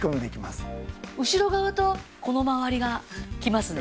後ろ側とこのまわりがきますね。